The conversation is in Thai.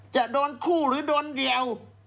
จะโดนคู่หรือโดนเดี่ยว